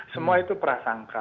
semua itu prasangka